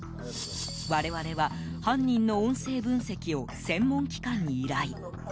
我々は、犯人の音声分析を専門機関に依頼。